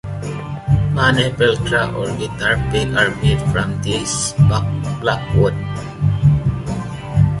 Many plectra, or guitar picks, are made from this black wood.